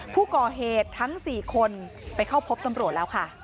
ผู้ก่อเหตุทั้ง๔คนไปเข้าพบตำรวจแล้วค่ะ